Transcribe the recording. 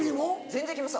全然行きます